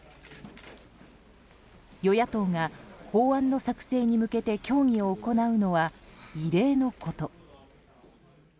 与野党が法案の作成に向けて協議を行うのは異例のこと。